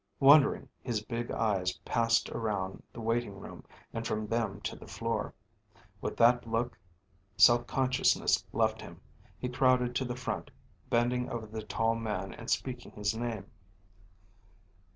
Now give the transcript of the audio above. Wondering, his big eyes passed around the waiting group and from them to the floor. With that look self consciousness left him; he crowded to the front, bending over the tall man and speaking his name.